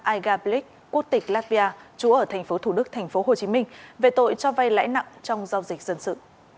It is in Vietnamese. aiga blik quốc tịch latvia chúa ở tp thủ đức tp hcm về tội cho vay lãi nặng trong giao dịch dân sự